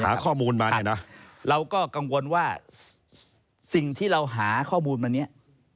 หาข้อมูลมาเนี่ยนะเราก็กังวลว่าสิ่งที่เราหาข้อมูลมาเนี้ย